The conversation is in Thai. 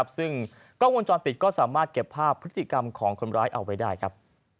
ซึ่งกล้องวงจรปิดก็สามารถเก็บภาพพฤติกรรมของคนร้ายเอาไว้ได้ครับ